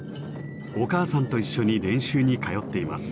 お母さんと一緒に練習に通っています。